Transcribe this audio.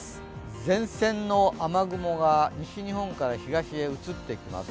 前線の雨雲が西日本から東へ移ってきます。